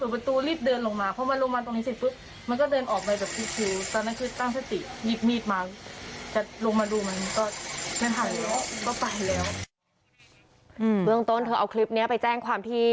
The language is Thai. เมืองต้นเธอเอาคลิปนี้ไปแจ้งความที่